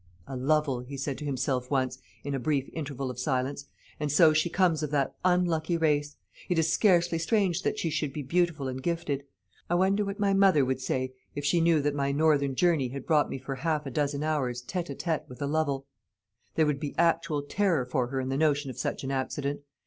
"A Lovel," he said to himself once, in a brief interval of silence; "and so she comes of that unlucky race. It is scarcely strange that she should be beautiful and gifted. I wonder what my mother would say if she knew that my northern journey had brought me for half a dozen hours tête à tête with a Lovel? There would be actual terror for her in the notion of such an accident.